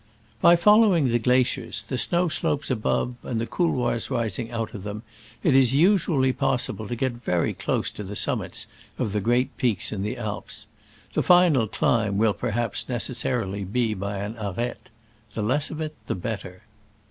By following the glaciers, the snow slopes above, and the couloirs rising out of them, it is usually possible to get very close to the summits of the great peaks in the Alps. The final climb will, per haps, necessarily, be by an arete. The less of it the better.